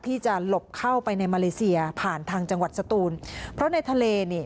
ที่จะหลบเข้าไปในมาเลเซียผ่านทางจังหวัดสตูนเพราะในทะเลนี่